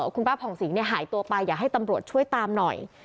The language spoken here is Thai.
คุณป้าผ่องสิงหายตัวไปอยากให้ตำรวจช่วยตามหน่อย